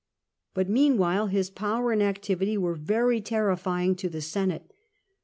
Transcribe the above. But meanwhile his power and activity were very terrifying to the Senate.